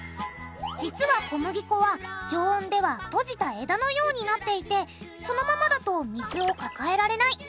実は小麦粉は常温では閉じた枝のようになっていてそのままだと水を抱えられない。